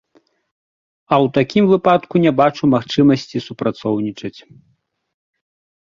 А ў такім выпадку не бачу магчымасці супрацоўнічаць.